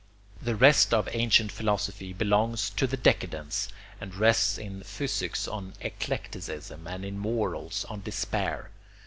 The rest of ancient philosophy belongs to the decadence and rests in physics on eclecticism and in morals on despair.